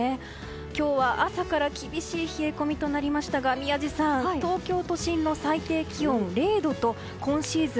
今日は朝から厳しい冷え込みとなりましたが東京都心の最低気温は０度と今シーズン